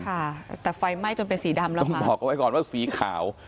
ค่ะแต่ไฟไหม้จนเป็นสีดำแล้วต้องบอกเอาไว้ก่อนว่าสีขาว